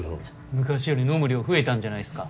昔より飲む量増えたんじゃないっすか？